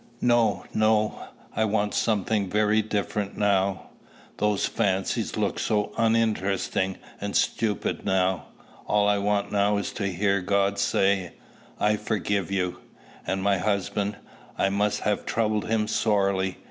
"No, no. I want something very different now. Those fancies look so uninteresting and stupid now! All I want now is to hear God say, 'I forgive you.' And my husband I must have troubled him sorely.